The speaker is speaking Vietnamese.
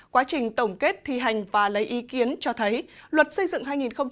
quá trình tổng kết thi hành và lấy ý kiến cho thấy luật xây dựng hai nghìn một mươi